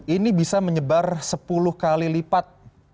ini bisa menyebar sepuluh kali lipat